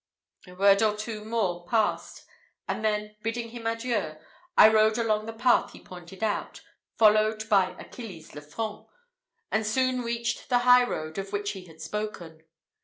A word or two more passed, and then, bidding him adieu, I rode along the path he pointed out, followed by Achilles Lefranc, and soon reached the highroad of which he had spoken.